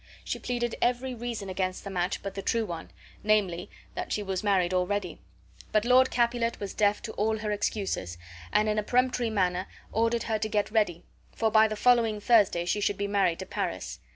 She pleaded every reason against the match but the true one, namely, that she was married already. But Lord Capulet was deaf to all her excuses, and in a peremptory manner ordered her to get ready, for by the following Thursday she should be married to Paris.